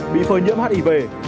bị phơi nhiễm hiv